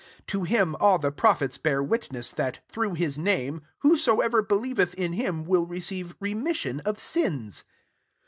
43 To him all the prophets bear witness, that, through his name, whosoever believeth in him will receive remission of sins."